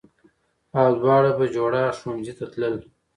او دواړه بهجوړه ښوونځي ته تللې